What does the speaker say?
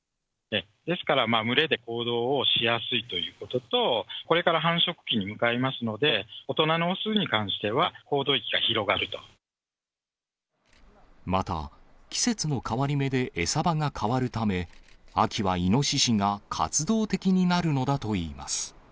ですから、群れで行動をしやすいということと、これから繁殖期に向かいますので、大人の雄に関しては、また、季節の変わり目で餌場が変わるため、秋はイノシシが活動的になるのだといいます。